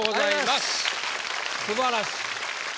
すばらしい。